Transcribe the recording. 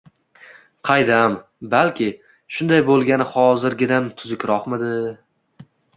Qaydam, balki, shunday boʻlgani hozirgidan tuzukroqmidi?..